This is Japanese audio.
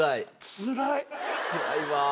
つらいわ。